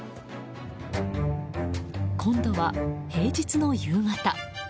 今度は平日の夕方。